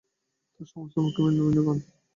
তাঁর সমস্ত মুখে বিন্দু-বিন্দু ঘাম।